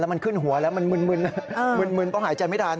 มันขึ้นหัวแล้วมันมึนมึนเพราะหายใจไม่ทัน